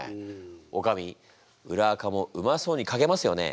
おかみ「裏アカ」もうまそうに書けますよね？